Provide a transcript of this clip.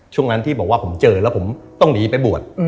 ช่วงนั้นที่บอกว่าผมเจอแล้วผมต้องหนีไปบวช